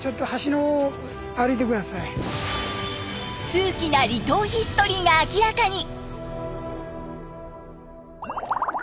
数奇な離島ヒストリーが明らかに。